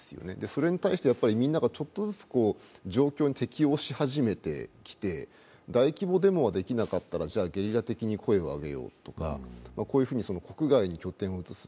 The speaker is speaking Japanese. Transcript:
それに対してみんながちょっとずつ状況に適応し始めてきて大規模デモはできなかったらじゃあゲリラ的に声をあげようと、こういうふうに国外に拠点を映す。